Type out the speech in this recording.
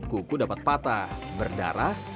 kuku dapat patah berdarah